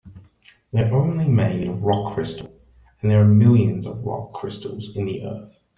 They're only made of rock crystal, and there are millions of rock crystals in the earth.